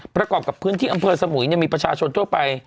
ประกอบกับพื้นที่อำเภอสมุยมีประชาชนทั่วไป